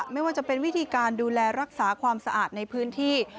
ไม่ว่าจะเป็นวิธีการดูแลรักษาความสะอาดในพื้นที่